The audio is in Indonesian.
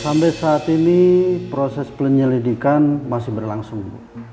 sampai saat ini proses penyelidikan masih berlangsung